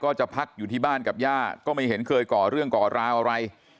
จะพักอยู่ที่บ้านกับย่าก็ไม่เห็นเคยก่อเรื่องก่อราวอะไร